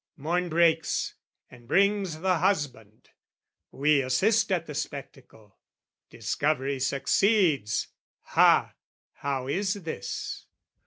Morn breaks and brings the husband: we assist At the spectacle. Discovery succeeds. Ha, how is this?